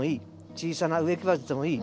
小さな植木鉢でもいい。